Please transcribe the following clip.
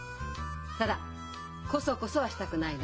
ただコソコソはしたくないの。